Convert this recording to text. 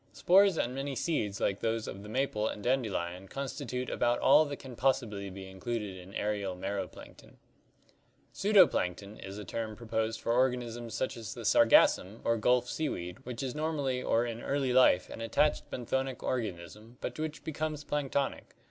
Spores and many seeds like those of the maple and dandelion constitute about all that can possibly be included in aerial mero plankton. Pseudo plankton (Gr. TfrevSos, false) is a term proposed for organisms such as the sargassum or gulf sea weed which is normally or in early life an attached benthonic organism but which becomes planktonic.